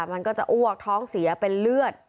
มันก็จะอ้วกท้องเสียเป็นเลือด